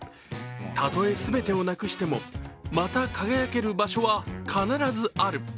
たとえ全てをなくしても、また輝ける場所は必ずある。